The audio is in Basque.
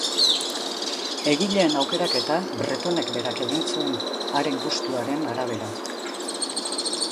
Egileen aukeraketa Bretonek berak egin zuen, haren gustuaren arabera.